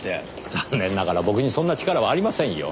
残念ながら僕にそんな力はありませんよ。